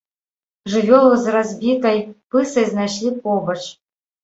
Жывёлу з разбітай пысай знайшлі побач.